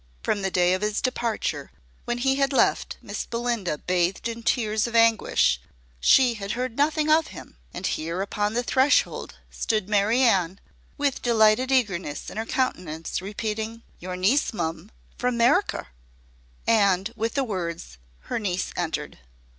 From the day of his departure, when he had left Miss Belinda bathed in tears of anguish, she had heard nothing of him; and here upon the threshold stood Mary Anne, with delighted eagerness in her countenance, repeating, "Your niece, mum, from 'Meriker!" And, with the words, her niece entered.